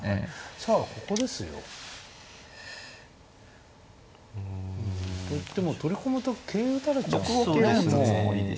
さあここですよ。といっても取り込むと桂打たれちゃうんですよねもう。